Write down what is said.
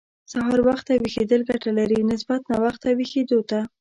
سهار وخته ويښېدل ګټه لري، نسبت ناوخته ويښېدو ته.